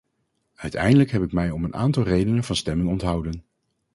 Uiteindelijk heb ik mij om een aantal redenen van stemming onthouden.